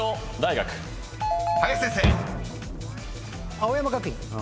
青山学院。